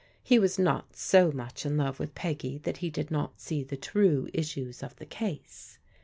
He was not so much in love with Peggy that he did not see the true issues of the case.